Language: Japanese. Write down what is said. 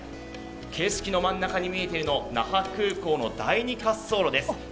景色の真ん中に見えているのは那覇空港の第２滑走路です。